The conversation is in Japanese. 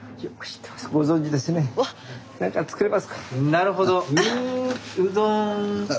なるほど。